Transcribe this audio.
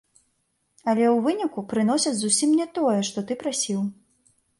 Але ў выніку прыносяць зусім не тое, што ты прасіў.